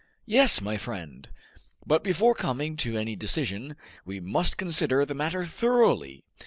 "Yes, my friend; but before coming to any decision we must consider the matter thoroughly.